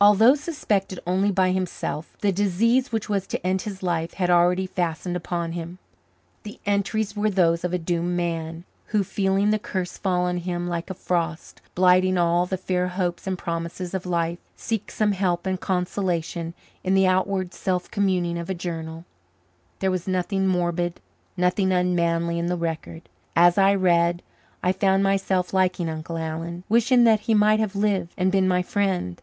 Although suspected only by himself, the disease which was to end his life had already fastened upon him. The entries were those of a doomed man, who, feeling the curse fall on him like a frost, blighting all the fair hopes and promises of life, seeks some help and consolation in the outward self communing of a journal. There was nothing morbid, nothing unmanly in the record. As I read, I found myself liking Uncle Alan, wishing that he might have lived and been my friend.